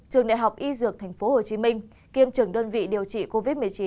trường đại học y dược tp hcm kiêm trưởng đơn vị điều trị covid một mươi chín